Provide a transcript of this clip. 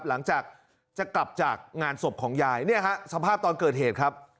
หลังจากจะกลับจากงานศพของยายเนี่ยฮะสภาพตอนเกิดเหตุครับ